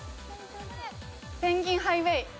『ペンギン・ハイウェイ』。